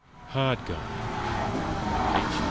_ HARD GUY By H.